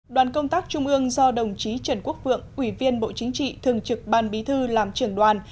đoàn công tác trung ương do đồng chí trần quốc vượng ủy viên bộ chính trị thường trực ban bí thư làm trưởng đoàn